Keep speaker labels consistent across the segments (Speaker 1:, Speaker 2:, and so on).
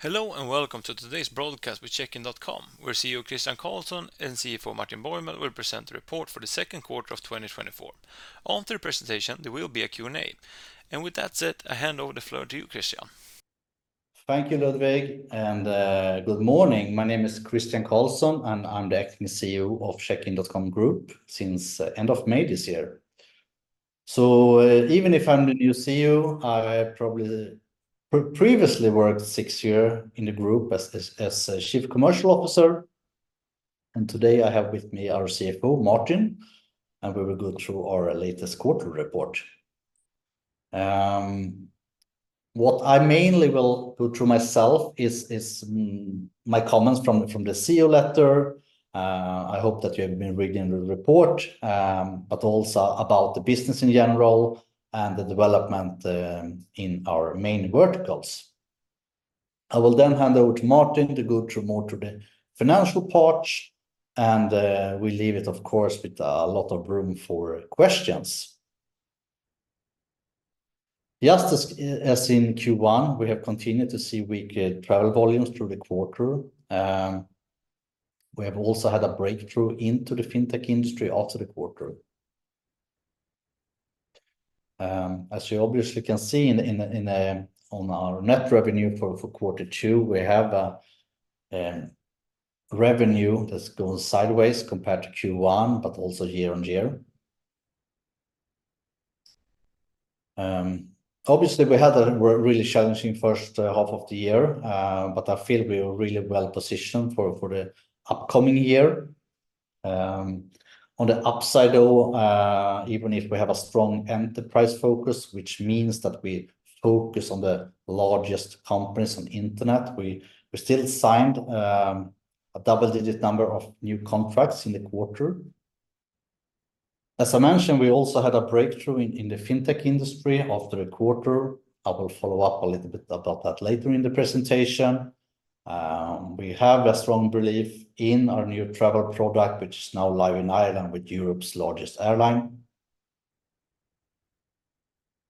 Speaker 1: Hello, and welcome to today's broadcast with Checkin.com, where CEO Christian Karlsson and CFO Martin Boimel will present the report for the second quarter of 2024. After the presentation, there will be a Q&A. With that said, I hand over the floor to you, Christian.
Speaker 2: Thank you, Ludvig, and good morning. My name is Christian Karlsson, and I'm the acting CEO of Checkin.com Group since end of May this year. So even if I'm the new CEO, I probably previously worked six year in the group as Chief Commercial Officer, and today I have with me our CFO, Martin, and we will go through our latest quarter report. What I mainly will go through myself is my comments from the CEO letter. I hope that you have been reading the report, but also about the business in general and the development in our main verticals. I will then hand over to Martin to go through more to the financial part, and we leave it, of course, with a lot of room for questions. Just as in Q1, we have continued to see weak travel volumes through the quarter. We have also had a breakthrough into the fintech industry after the quarter. As you obviously can see in the on our net revenue for quarter two, we have a revenue that's going sideways compared to Q1, but also year-on-year. Obviously, we had a really challenging first half of the year, but I feel we are really well-positioned for the upcoming year. On the upside, though, even if we have a strong enterprise focus, which means that we focus on the largest companies on internet, we still signed a double-digit number of new contracts in the quarter. As I mentioned, we also had a breakthrough in the fintech industry after the quarter. I will follow up a little bit about that later in the presentation. We have a strong belief in our new travel product, which is now live in Ireland with Europe's largest airline.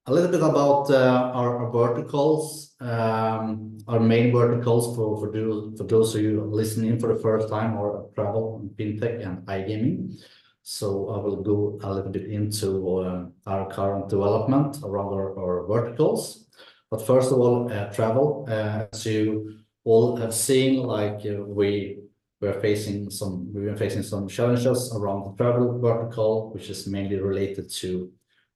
Speaker 2: A little bit about our verticals. Our main verticals for those of you listening for the first time are travel, fintech, and iGaming. So I will go a little bit into our current development around our verticals. But first of all, travel. As you all have seen, like we've been facing some challenges around the travel vertical, which is mainly related to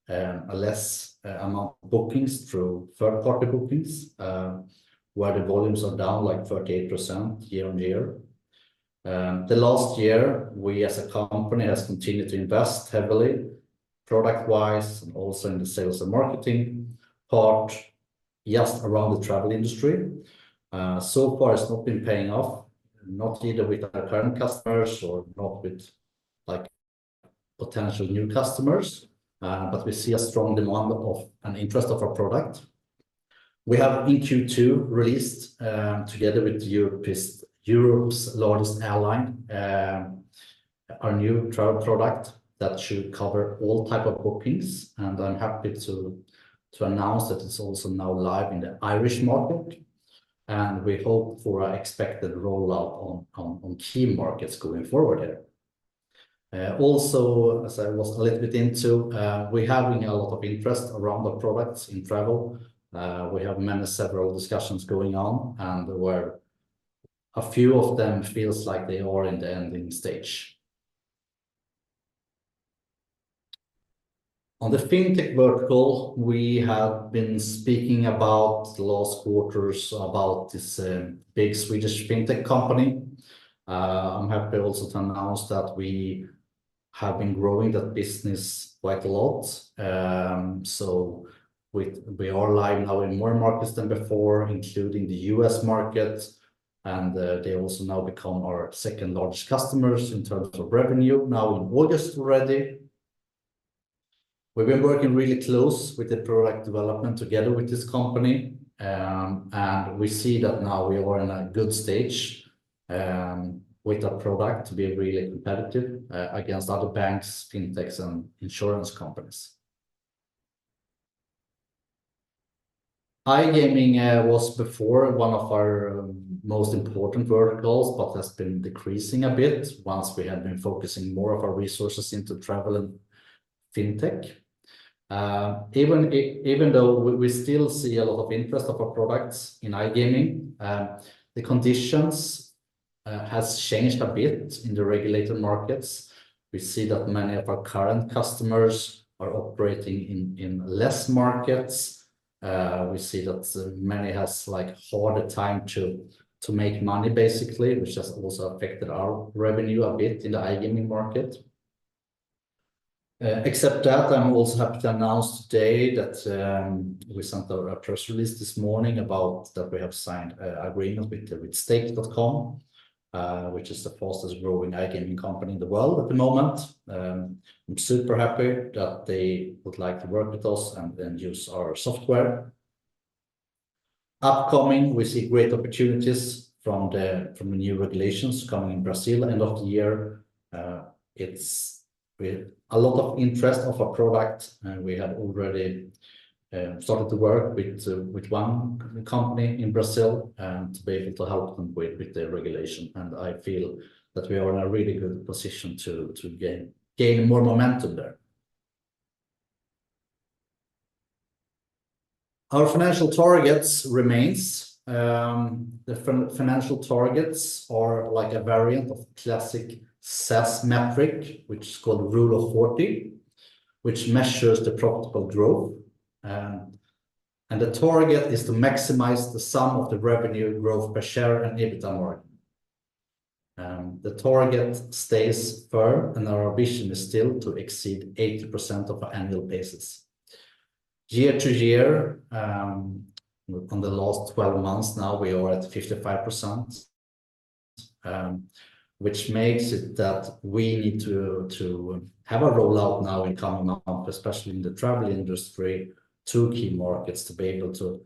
Speaker 2: a less amount of bookings through third quarter bookings, where the volumes are down, like 38% year-on-year. The last year, we, as a company, has continued to invest heavily product-wise and also in the sales and marketing part, just around the travel industry. So far, it's not been paying off, not either with our current customers or not with, like, potential new customers, but we see a strong demand of an interest of our product. We have in Q2 released, together with Europe's largest airline, our new travel product that should cover all type of bookings, and I'm happy to announce that it's also now live in the Irish market, and we hope for an expected rollout on key markets going forward here. Also, as I was a little bit into, we're having a lot of interest around the products in travel. We have many several discussions going on, and where a few of them feels like they are in the ending stage. On the fintech vertical, we have been speaking about the last quarters about this big Swedish fintech company. I'm happy also to announce that we have been growing that business quite a lot. So we are live now in more markets than before, including the U.S. market, and they also now become our second-largest customers in terms of revenue, now in August already. We've been working really close with the product development together with this company, and we see that now we are in a good stage with that product to be really competitive against other banks, fintechs, and insurance companies. iGaming was before one of our most important verticals, but that's been decreasing a bit once we have been focusing more of our resources into travel and fintech. Even though we still see a lot of interest of our products in iGaming, the conditions has changed a bit in the regulated markets. We see that many of our current customers are operating in less markets. We see that many has like harder time to make money, basically, which has also affected our revenue a bit in the iGaming market. Except that, I'm also happy to announce today that we sent a press release this morning about that we have signed a agreement with Stake.com, which is the fastest-growing iGaming company in the world at the moment. I'm super happy that they would like to work with us and then use our software. Upcoming, we see great opportunities from the new regulations coming in Brazil, end of the year. With a lot of interest of our product, and we have already started to work with one company in Brazil and to be able to help them with their regulation. I feel that we are in a really good position to gain more momentum there. Our financial targets remains, the financial targets are like a variant of classic SaaS metric, which is called Rule of 40, which measures the profitable growth. And the target is to maximize the sum of the revenue growth per share and EBITDA margin. The target stays firm, and our ambition is still to exceed 80% of our annual basis. Year-to-year, on the last twelve months, now we are at 55%, which makes it that we need to have a rollout now in coming up, especially in the travel industry, two key markets to be able to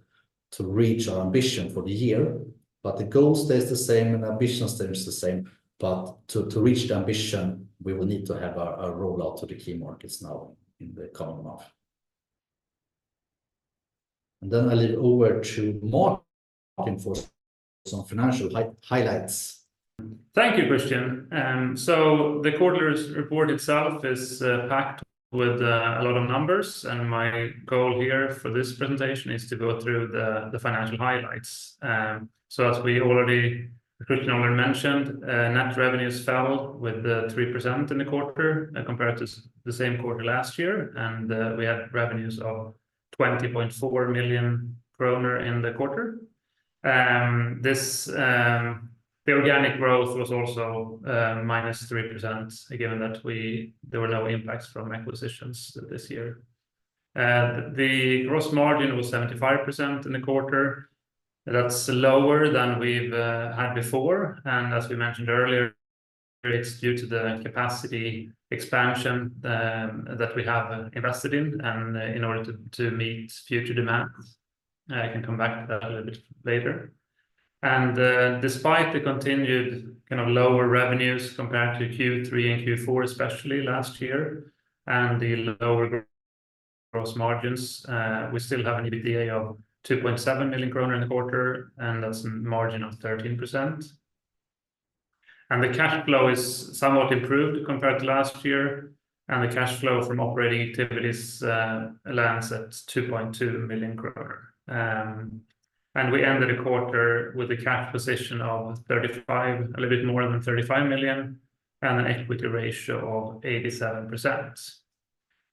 Speaker 2: reach our ambition for the year. But the goal stays the same, and ambition stays the same, but to reach the ambition, we will need to have a rollout to the key markets now in the coming month. And then I leave over to Martin for some financial highlights.
Speaker 3: Thank you, Christian. The quarterly report itself is packed with a lot of numbers, and my goal here for this presentation is to go through the financial highlights. As we already, Christian already mentioned, net revenues fell with 3% in the quarter compared to the same quarter last year. We had revenues of 20.4 million kronor in the quarter. The organic growth was also minus 3%, given that there were no impacts from acquisitions this year. The gross margin was 75% in the quarter. That's lower than we've had before, and as we mentioned earlier, it's due to the capacity expansion that we have invested in and in order to meet future demands. I can come back to that a little bit later. Despite the continued kind of lower revenues compared to Q3 and Q4, especially last year, and the lower gross margins, we still have an EBITDA of 2.7 million kronor in the quarter, and that's a margin of 13%. The cash flow is somewhat improved compared to last year, and the cash flow from operating activities lands at 2.2 million. We ended the quarter with a cash position of a little bit more than 35 million, and an equity ratio of 87%.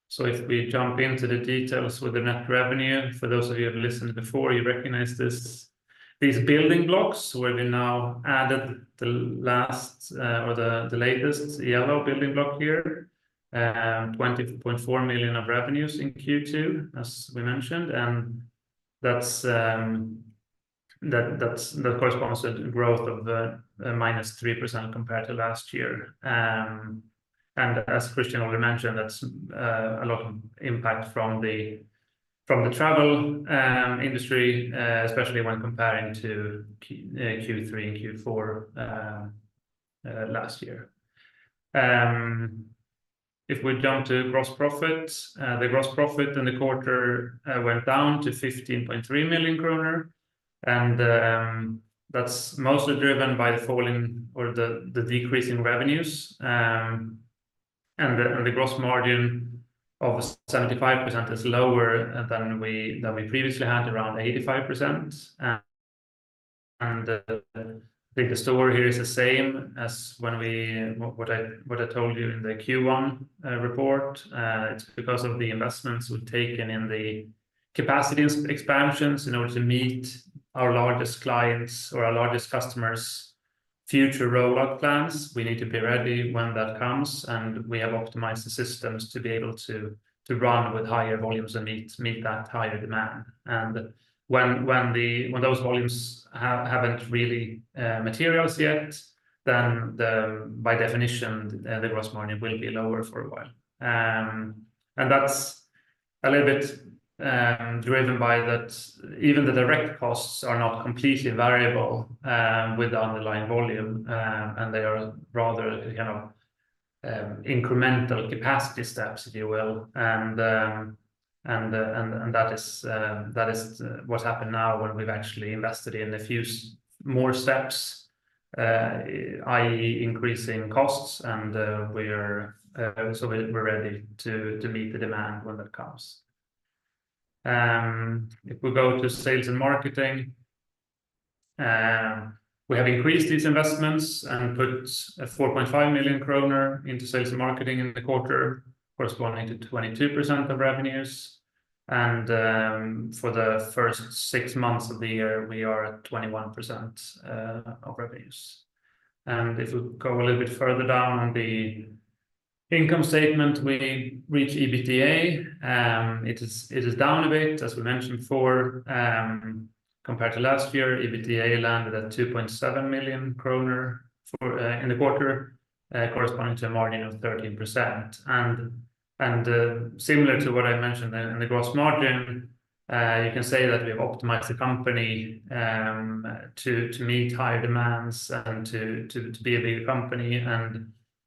Speaker 3: So if we jump into the details with the net revenue, for those of you who have listened before, you recognize this, these building blocks, where we now added the last, or the, the latest yellow building block here, 20.4 million of revenues in Q2, as we mentioned. That's that corresponds to the growth of -3% compared to last year. And as Christian already mentioned, that's a lot of impact from the travel industry, especially when comparing to Q3 and Q4 last year. If we jump to gross profit, the gross profit in the quarter went down to 15.3 million kronor, and that's mostly driven by the falling or the decrease in revenues. And the gross margin of 75% is lower than we previously had, around 85%. And I think the story here is the same as what I told you in the Q1 report. It's because of the investments we've taken in the capacity expansions in order to meet our largest clients' or our largest customers' future rollout plans. We need to be ready when that comes, and we have optimized the systems to be able to run with higher volumes and meet that higher demand. And when those volumes haven't really materialized yet, then, by definition, the gross margin will be lower for a while. And that's a little bit driven by that even the direct costs are not completely variable with the underlying volume, and they are rather, you know, incremental capacity steps, if you will. And that is what happened now when we've actually invested in a few more steps, i.e., increasing costs, and we're ready to meet the demand when that comes. If we go to sales and marketing, we have increased these investments and put 4.5 million kronor into sales and marketing in the quarter, corresponding to 22% of revenues. For the first six months of the year, we are at 21% of revenues. If we go a little bit further down on the income statement, we reach EBITDA. It is down a bit, as we mentioned before. Compared to last year, EBITDA landed at 2.7 million kronor for the quarter, corresponding to a margin of 13%. And similar to what I mentioned in the gross margin, you can say that we've optimized the company to meet higher demands and to be a bigger company.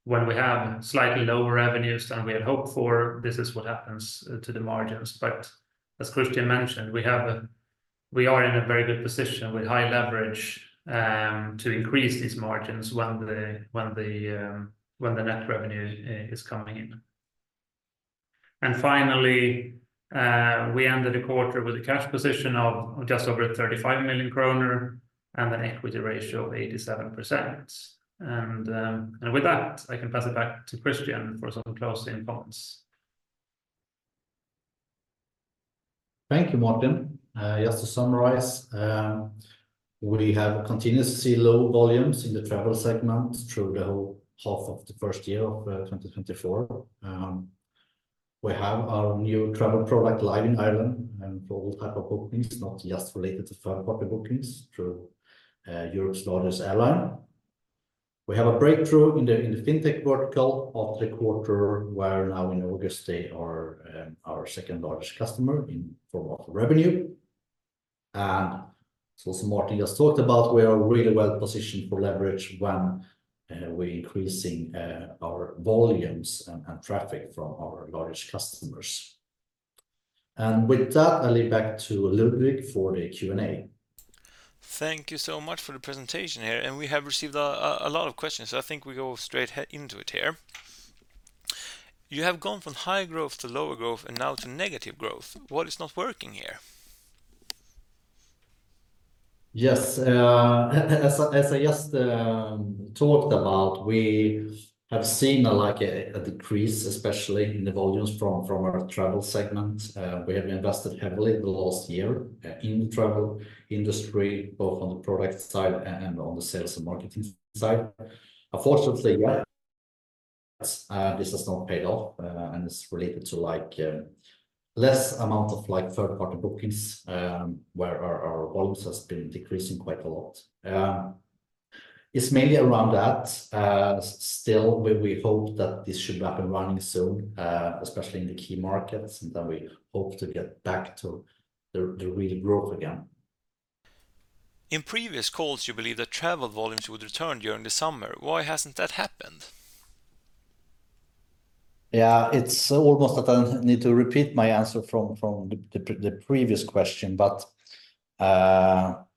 Speaker 3: And when we have slightly lower revenues than we had hoped for, this is what happens to the margins. But as Christian mentioned, we are in a very good position with high leverage to increase these margins when the net revenue is coming in. And finally, we ended the quarter with a cash position of just over 35 million kronor, and an equity ratio of 87%. And with that, I can pass it back to Christian for some closing comments.
Speaker 2: Thank you, Martin. Just to summarize, we have continued to see low volumes in the travel segment through the whole half of the first year of 2024. We have our new travel product live in Ireland, and for all type of bookings, not just related to third-party bookings through Europe's largest airline. We have a breakthrough in the fintech vertical of the quarter, where now in August, they are our second-largest customer in form of revenue. And so as Martin just talked about, we are really well-positioned for leverage when we're increasing our volumes and traffic from our largest customers. And with that, I'll leave back to Ludvig for the Q&A. Thank you so much for the presentation here, and we have received a lot of questions, so I think we go straight into it here. You have gone from high growth to lower growth, and now to negative growth. What is not working here? Yes. As I just talked about, we have seen like a decrease, especially in the volumes from our travel segment. We have invested heavily in the last year in the travel industry, both on the product side and on the sales and marketing side. Unfortunately, yeah, this has not paid off, and it's related to like less amount of third-party bookings, where our volumes has been decreasing quite a lot. It's mainly around that. Still, we hope that this should be up and running soon, especially in the key markets, and then we hope to get back to the real growth again. In previous calls, you believed that travel volumes would return during the summer. Why hasn't that happened? Yeah, it's almost that I need to repeat my answer from the previous question, but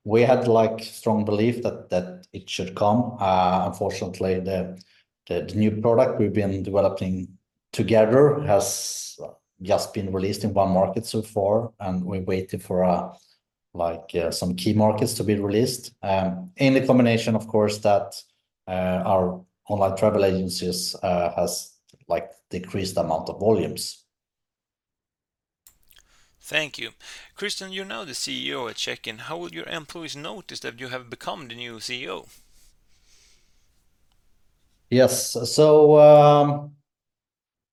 Speaker 2: we had, like, strong belief that it should come. Unfortunately, the new product we've been developing together has just been released in one market so far, and we're waiting for some key markets to be released. In the combination, of course, that our online travel agencies has, like, decreased amount of volumes. Thank you. Christian, you're now the CEO at Checkin. How will your employees notice that you have become the new CEO? Yes, so,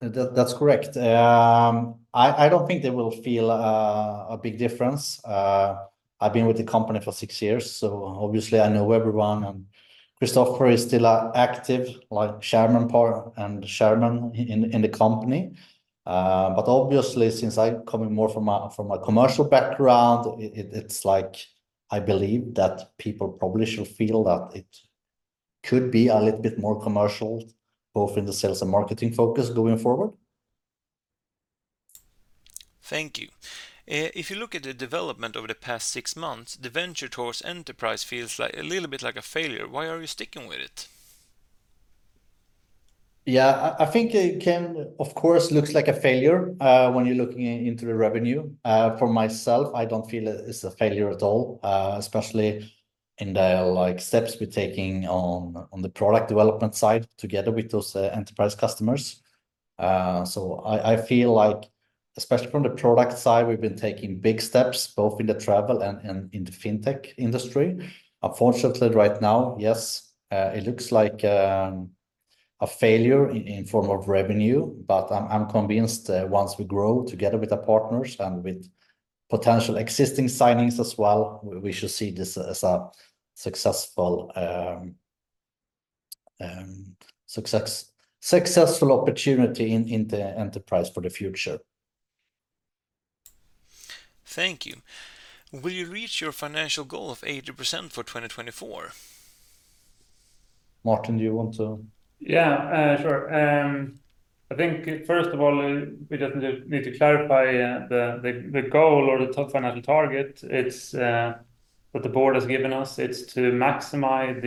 Speaker 2: that, that's correct. I don't think they will feel a big difference. I've been with the company for six years, so obviously I know everyone, and Kristoffer is still a active, like, chairman part and chairman in the company. But obviously, since I'm coming more from a commercial background, it's like I believe that people probably should feel that it could be a little bit more commercial, both in the sales and marketing focus going forward. Thank you. If you look at the development over the past six months, the venture towards enterprise feels like a little bit like a failure. Why are you sticking with it? Yeah, I think it can, of course, look like a failure when you're looking into the revenue. For myself, I don't feel it, it's a failure at all, especially in the like steps we're taking on the product development side together with those enterprise customers. So I feel like, especially from the product side, we've been taking big steps, both in the travel and in the fintech industry. Unfortunately, right now, yes, it looks like a failure in form of revenue, but I'm convinced that once we grow together with the partners and with potential existing signings as well, we should see this as a successful opportunity in the enterprise for the future. Thank you. Will you reach your financial goal of 80% for 2024? Martin, do you want to-
Speaker 3: Yeah, sure. I think, first of all, we just need to clarify the goal or the top financial target. It's what the board has given us. It's to maximize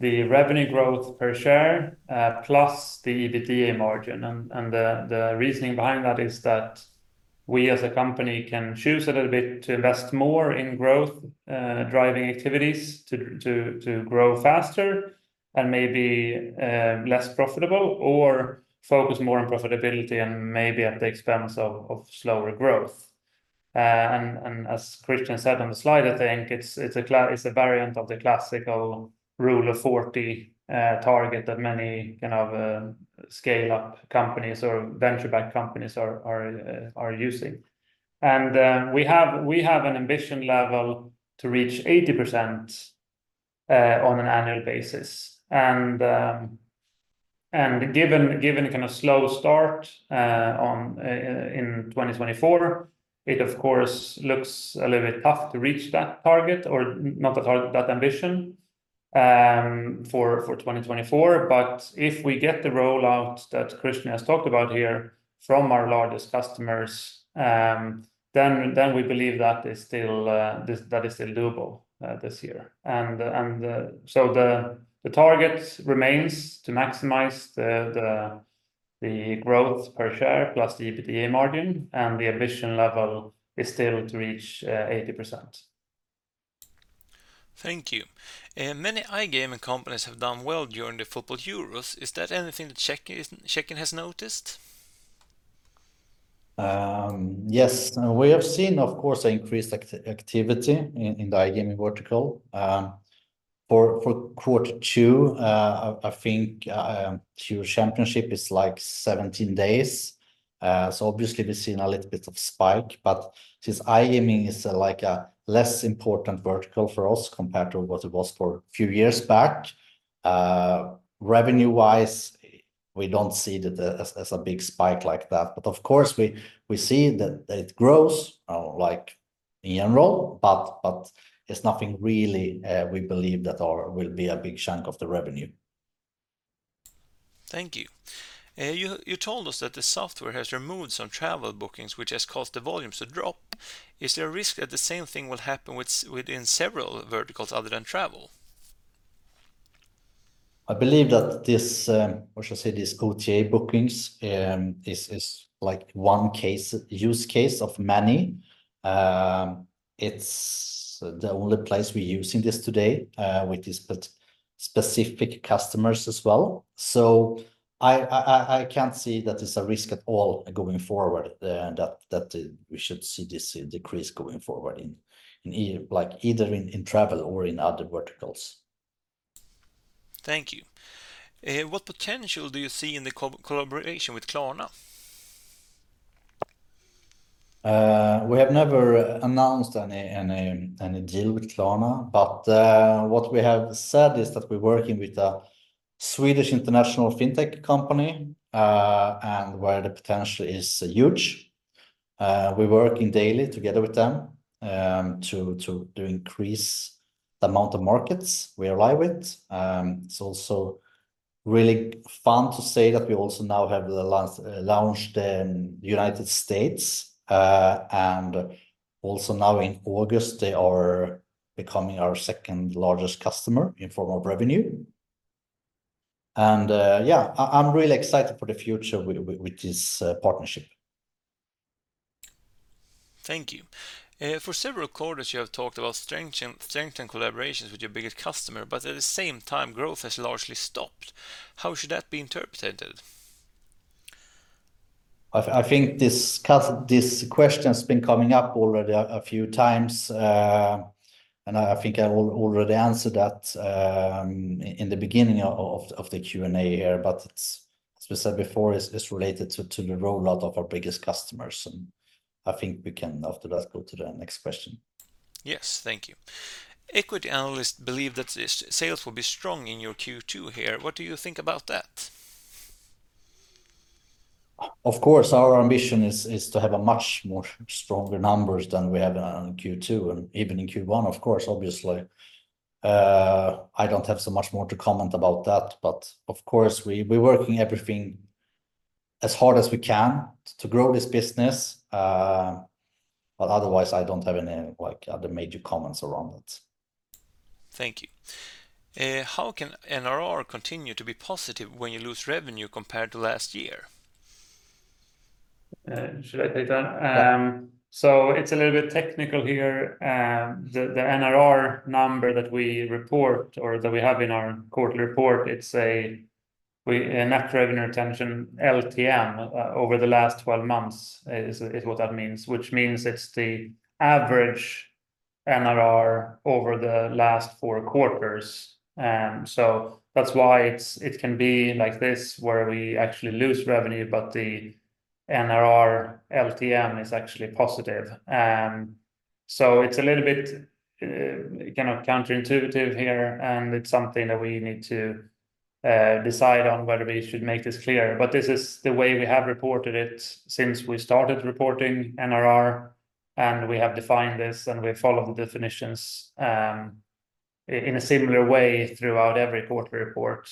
Speaker 3: the revenue growth per share plus the EBITDA margin. And the reasoning behind that is that we, as a company, can choose a little bit to invest more in growth driving activities to grow faster and maybe less profitable, or focus more on profitability and maybe at the expense of slower growth. And as Christian said on the slide, I think it's a variant of the classical Rule of 40 target that many kind of scale-up companies or venture-backed companies are using. We have an ambition level to reach 80% on an annual basis. And given a kind of slow start in 2024, it of course looks a little bit tough to reach that target or not that target, that ambition, for 2024. But if we get the rollout that Christian has talked about here from our largest customers, then we believe that is still that is still doable this year. And so the target remains to maximize the growth per share, plus the EBITDA margin, and the ambition level is still to reach 80%. Thank you. Many iGaming companies have done well during the football Euros. Is that anything that Checkin has noticed?
Speaker 2: Yes. We have seen, of course, increased activity in the iGaming vertical. For quarter two, I think two championship is, like, 17 days. So obviously we've seen a little bit of spike. But since iGaming is, like, a less important vertical for us compared to what it was for a few years back, revenue-wise, we don't see that as a big spike like that. But of course, we see that it grows, like, in general, but it's nothing really, we believe that or will be a big chunk of the revenue. Thank you. You told us that the software has removed some travel bookings, which has caused the volumes to drop. Is there a risk that the same thing will happen within several verticals other than travel? I believe that this, how should I say, this OTA bookings, this is, like, one case—use case of many. It's the only place we're using this today, with these specific customers as well. So I can't see that there's a risk at all going forward, and that we should see this decrease going forward in, like, either in, travel or in other verticals. Thank you. What potential do you see in the collaboration with Klarna? We have never announced any deal with Klarna, but what we have said is that we're working with a Swedish international fintech company, and where the potential is huge. We're working daily together with them to increase the amount of markets we arrive with. It's also really fun to say that we also now have launched in United States, and also now in August, they are becoming our second-largest customer in form of revenue. Yeah, I'm really excited for the future with this partnership. Thank you. For several quarters, you have talked about strengthened collaborations with your biggest customer, but at the same time, growth has largely stopped. How should that be interpreted? I think this question's been coming up already a few times. And I think I already answered that, in the beginning of the Q&A here. But as we said before, it's related to the rollout of our biggest customers, and I think we can, after that, go to the next question. Yes. Thank you. Equity analysts believe that the sales will be strong in your Q2 here. What do you think about that? Of course, our ambition is to have much more stronger numbers than we have on Q2 and even in Q1, of course, obviously. I don't have so much more to comment about that, but of course, we're working everything as hard as we can to grow this business. But otherwise, I don't have any, like, other major comments around that. Thank you. How can NRR continue to be positive when you lose revenue compared to last year?
Speaker 3: Should I take that?
Speaker 2: Yeah.
Speaker 3: So it's a little bit technical here. The NRR number that we report or that we have in our quarterly report, it's a net revenue retention LTM over the last 12 months, is what that means. Which means it's the average NRR over the last four quarters. So that's why it can be like this, where we actually lose revenue, but the NRR LTM is actually positive. So it's a little bit kind of counterintuitive here, and it's something that we need to decide on whether we should make this clear. But this is the way we have reported it since we started reporting NRR, and we have defined this, and we follow the definitions in a similar way throughout every quarterly report.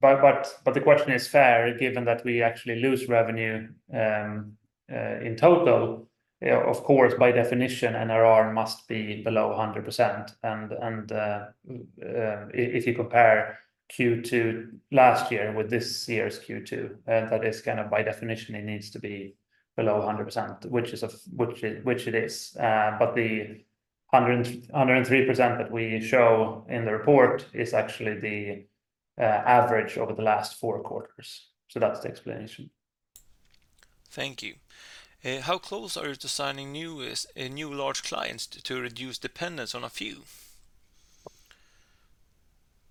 Speaker 3: But, but, but the question is fair, given that we actually lose revenue in total. Of course, by definition, NRR must be below 100%. And, if you compare Q2 last year with this year's Q2, that is kind of by definition, it needs to be below 100%, which is a... Which it is. But the 103% that we show in the report is actually the average over the last four quarters. So that's the explanation. Thank you. How close are you to signing new large clients to reduce dependence on a few?...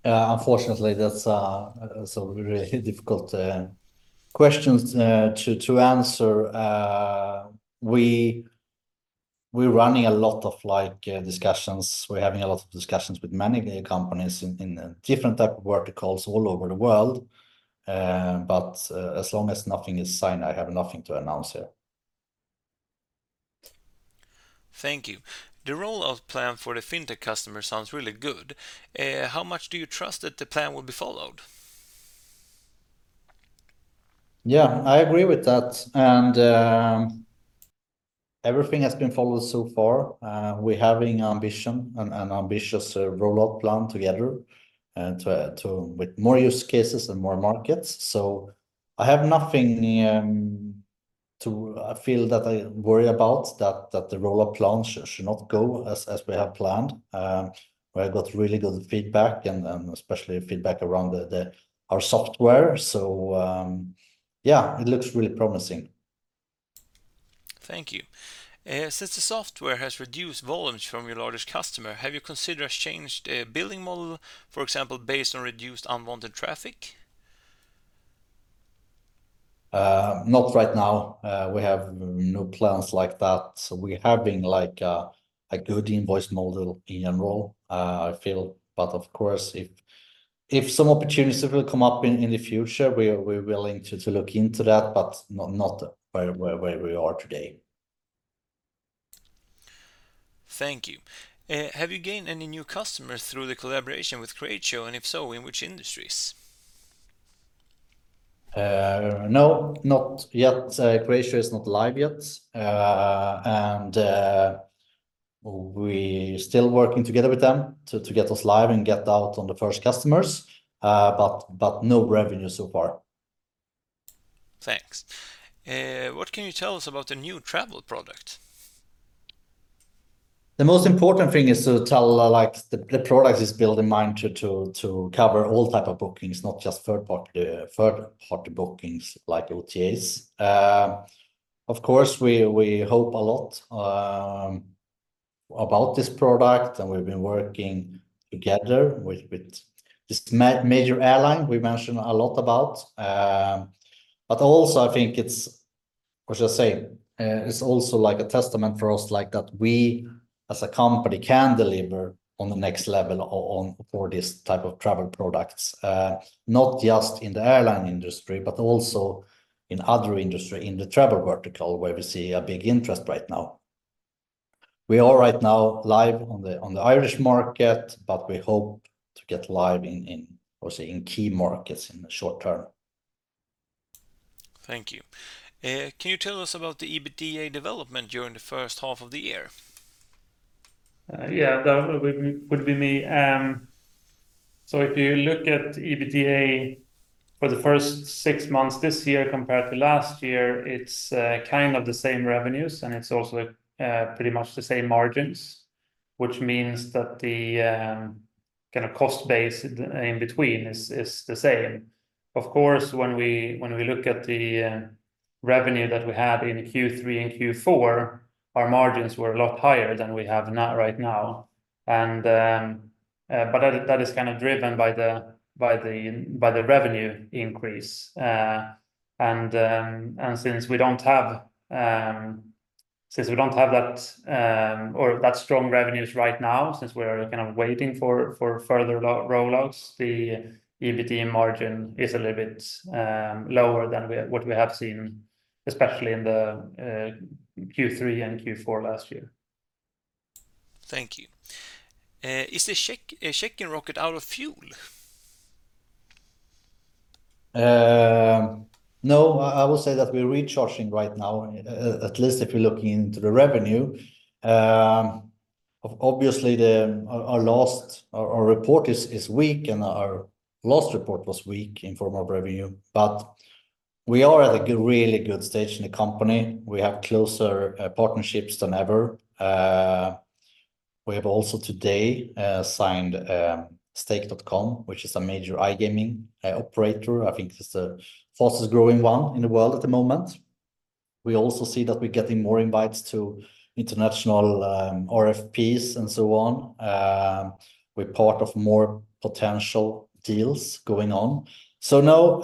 Speaker 2: Unfortunately, that's so really difficult questions to answer. We're running a lot of like discussions. We're having a lot of discussions with many companies in different type of verticals all over the world. But as long as nothing is signed, I have nothing to announce here. Thank you. The rollout plan for the fintech customer sounds really good. How much do you trust that the plan will be followed? Yeah, I agree with that, and everything has been followed so far. We're having ambition and ambitious rollout plan together, and with more use cases and more markets. So I have nothing to feel that I worry about that, that the rollout plan should not go as we have planned. We have got really good feedback and especially feedback around our software. So yeah, it looks really promising. Thank you. Since the software has reduced volumes from your largest customer, have you considered changed, billing model, for example, based on reduced unwanted traffic? Not right now. We have no plans like that. So we have been like a good invoice model in general, I feel. But of course, if some opportunities will come up in the future, we're willing to look into that, but not where we are today. Thank you. Have you gained any new customers through the collaboration with Playtech? And if so, in which industries? No, not yet. Playtech is not live yet. We're still working together with them to get us live and get out on the first customers, but no revenue so far. Thanks. What can you tell us about the new travel product? The most important thing is to tell, like, the product is built in mind to cover all type of bookings, not just third-party bookings like OTAs. Of course, we hope a lot about this product, and we've been working together with this major airline we mentioned a lot about. But also I think it's... What should I say? It's also like a testament for us, like that we, as a company, can deliver on the next level on for this type of travel products, not just in the airline industry, but also in other industry, in the travel vertical, where we see a big interest right now. We are right now live on the Irish market, but we hope to get live in key markets in the short term. Thank you. Can you tell us about the EBITDA development during the first half of the year?
Speaker 3: Yeah, that would be me. So if you look at EBITDA for the first six months this year compared to last year, it's kind of the same revenues, and it's also pretty much the same margins, which means that the kind of cost base in between is the same. Of course, when we look at the revenue that we had in Q3 and Q4, our margins were a lot higher than we have now, right now. But that is kind of driven by the revenue increase. Since we don't have that or that strong revenues right now, since we are kind of waiting for further rollouts, the EBITDA margin is a little bit lower than what we have seen, especially in the Q3 and Q4 last year. Thank you. Is the Checkin rocket out of fuel?
Speaker 2: No, I would say that we're recharging right now, at least if you're looking into the revenue. Obviously, our last report is weak, and our last report was weak in form of revenue. But we are at a really good stage in the company. We have closer partnerships than ever. We have also today signed Stake.com, which is a major iGaming operator. I think it's the fastest-growing one in the world at the moment. We also see that we're getting more invites to international RFPs and so on. We're part of more potential deals going on. So no,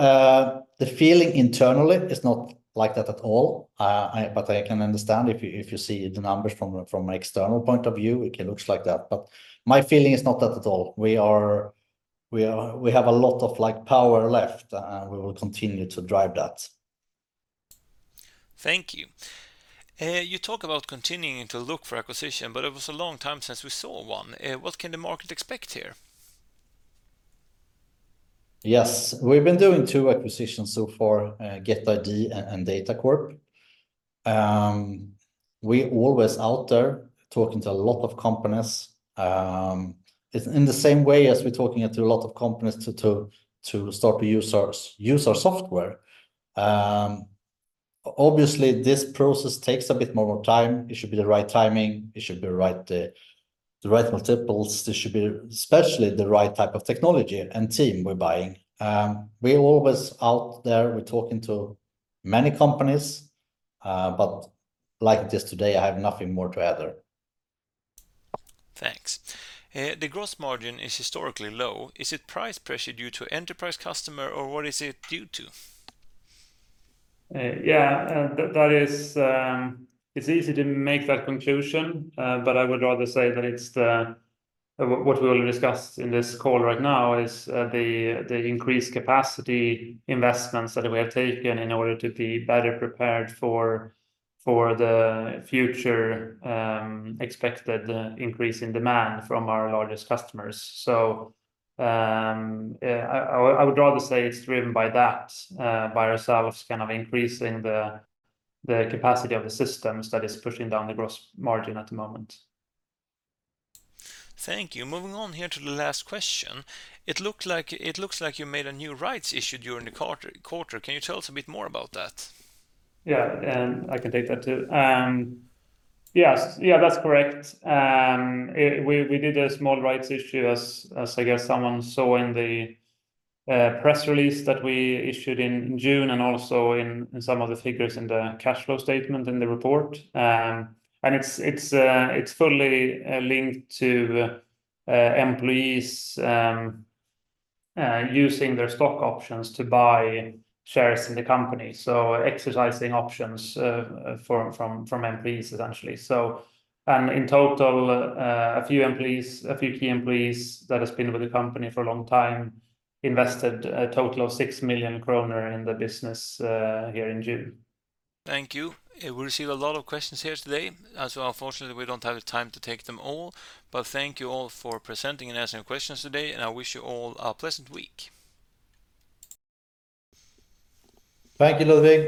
Speaker 2: the feeling internally is not like that at all. But I can understand if you see the numbers from an external point of view, it looks like that. But my feeling is not that at all. We are—we have a lot of, like, power left, and we will continue to drive that. Thank you. You talk about continuing to look for acquisition, but it was a long time since we saw one. What can the market expect here? Yes, we've been doing two acquisitions so far, GetID and Datacorp. We're always out there talking to a lot of companies, in the same way as we're talking to a lot of companies to start to use our software. Obviously, this process takes a bit more time. It should be the right timing. It should be right, the right multiples. This should be especially the right type of technology and team we're buying. We're always out there. We're talking to many companies. But like just today, I have nothing more to add there. Thanks. The Gross Margin is historically low. Is it price pressure due to enterprise customer, or what is it due to?
Speaker 3: Yeah, that is, it's easy to make that conclusion. But I would rather say that it's what we will discuss in this call right now is, the increased capacity investments that we have taken in order to be better prepared for the future expected increase in demand from our largest customers. So, yeah, I would rather say it's driven by that, by ourselves kind of increasing the capacity of the systems that is pushing down the gross margin at the moment. Thank you. Moving on here to the last question. It looks like you made a new rights issue during the quarter. Can you tell us a bit more about that? Yeah, and I can take that, too. Yes. Yeah, that's correct. We did a small rights issue as I guess someone saw in the press release that we issued in June and also in some of the figures in the cash flow statement in the report. And it's fully linked to employees using their stock options to buy shares in the company, so exercising options from employees, essentially. So, and in total, a few employees, a few key employees that has been with the company for a long time, invested a total of 6 million kronor in the business here in June. Thank you. We received a lot of questions here today, and so unfortunately, we don't have the time to take them all. But thank you all for presenting and answering questions today, and I wish you all a pleasant week.
Speaker 2: Thank you, Ludvig.